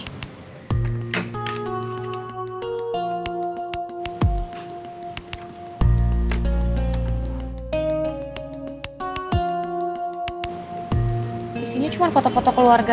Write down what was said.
di sini cuma foto foto keluargaan